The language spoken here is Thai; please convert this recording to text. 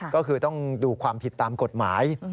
ก็คือต้องดูความผิดตามกฎหมาย